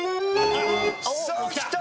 さあきた。